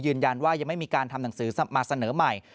ยืนยันว่ายังไม่มีการทำหนังสือมาเสนอใหม่